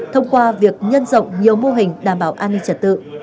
thông qua việc nhân rộng nhiều mô hình đảm bảo an ninh trật tự